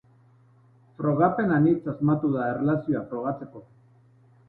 Frogapen anitz asmatu da erlazioa frogatzeko.